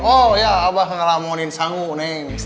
oh iya abah ngelamunin sangu neng